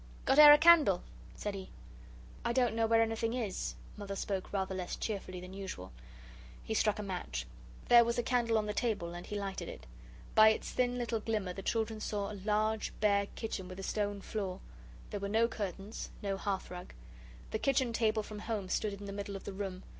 "Got e'er a candle?" said he. "I don't know where anything is." Mother spoke rather less cheerfully than usual. He struck a match. There was a candle on the table, and he lighted it. By its thin little glimmer the children saw a large bare kitchen with a stone floor. There were no curtains, no hearth rug. The kitchen table from home stood in the middle of the room.